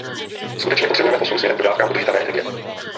Skutečně potřebujeme posun směrem k dodávkám udržitelné energie.